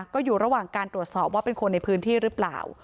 ก็อยู่ระหว่างการตรวจสอบว่าเป็นคนในพื้นที่หรือเปล่า